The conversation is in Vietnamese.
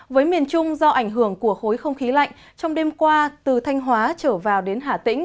với miền trung do ảnh hưởng của khối không khí lạnh trong đêm qua từ thanh hóa trở vào đến hà tĩnh